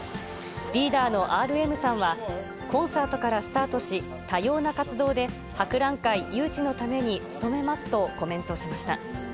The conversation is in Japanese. リーダーのＲＭさんは、コンサートからスタートし、多様な活動で博覧会誘致のために努めますとコメントしました。